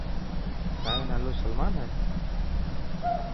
تايون نالو سلمان هي.